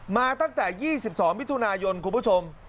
มาตั้งแต่๒๒มิถุนายนคุณผู้ชม